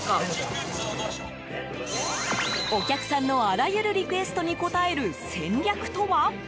お客さんのあらゆるリクエストに応える戦略とは？